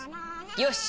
よし！